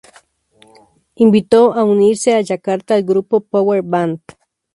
Invitó a unirse a Yakarta al grupo Power Band.